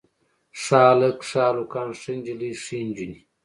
ښه هلک، ښه هلکان، ښه نجلۍ ښې نجونې.